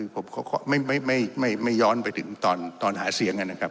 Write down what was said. ผมขอไม่ย้อนไปถึงตอนหาเสียงนะครับ